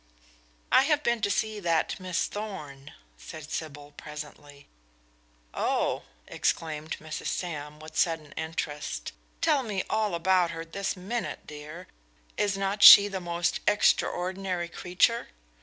"I have been to see that Miss Thorn," said Sybil presently. "Oh," exclaimed Mrs. Sam, with sudden interest, "tell me all about her this minute, dear. Is not she the most extraordinary creature?"